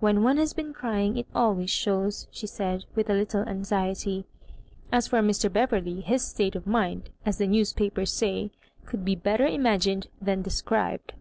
"When one has been crying it always shows," she said, with a little anxiety. As for Mr. BieveVley, his state of mind, as the news papers say, could better be imagined than de scribed.